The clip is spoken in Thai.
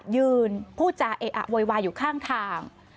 ยืนพูดจาเออะโวยวายอยู่ข้างทาง